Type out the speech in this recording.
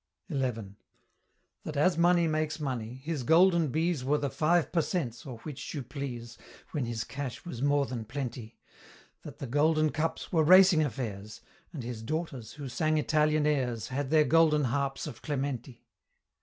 XI. That as money makes money, his golden bees Were the Five per Cents, or which you please, When his cash was more than plenty That the golden cups were racing affairs; And his daughters, who sang Italian airs, Had their golden harps of Clementi.